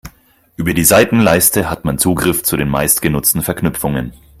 Über die Seitenleiste hat man Zugriff zu den meistgenutzten Verknüpfungen.